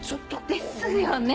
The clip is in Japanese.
ですよね